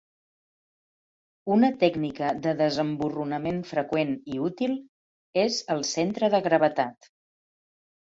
Una tècnica de desemborronament freqüent i útil és el "centre de gravetat".